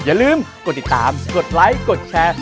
อย่าลืมกดติดตามกดไลค์กดแชร์